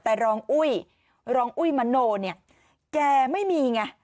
แต่รองอุ้ยรองอุ้ยมโนเนี่ยแกไม่มีไง